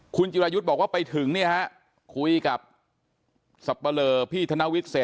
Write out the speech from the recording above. คุณจิรายุทธ์บอกว่าไปถึงเนี่ยฮะคุยกับสับปะเลอพี่ธนวิทย์เส